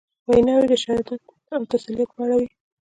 ویناوي د شهادت او تسلیت په اړه وې.